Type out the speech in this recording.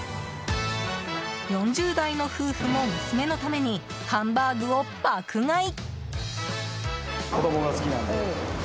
４０代の夫婦も、娘のためにハンバーグを爆買い。